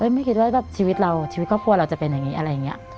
ไม่คิดว่าแบบชีวิตเราชีวิตครอบครัวเราจะเป็นอย่างนี้อะไรอย่างนี้